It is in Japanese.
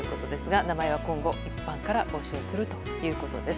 名前は今後一般から募集するということです。